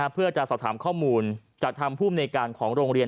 เพื่อจะสอบถามข้อมูลจากทางภูมิในการของโรงเรียน